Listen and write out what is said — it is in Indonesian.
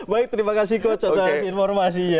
baik terima kasih coach atas informasinya